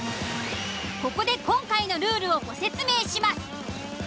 ここで今回のルールをご説明します。